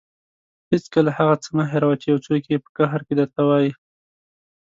هېڅکله هغه څه مه هېروه چې یو څوک یې په قهر کې درته وايي.